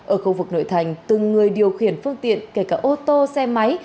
ở khu vực nội thành từng người điều khiển phương tiện kể cả ô tô xe máy